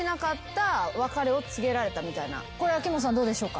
これ秋元さんどうでしょうか。